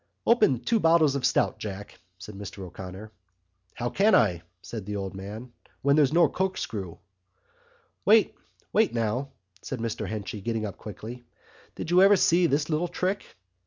"Open two bottles of stout, Jack," said Mr O'Connor. "How can I?" said the old man, "when there's no corkscrew?" "Wait now, wait now!" said Mr Henchy, getting up quickly. "Did you ever see this little trick?"